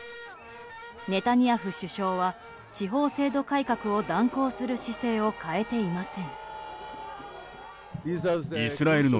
ネタニヤフ首相は司法制度改革を断行する姿勢を変えていません。